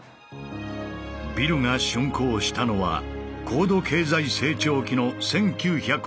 ビルが竣工したのは高度経済成長期の１９７０年。